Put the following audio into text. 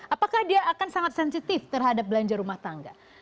apakah dia akan sangat sensitif terhadap belanja rumah tangga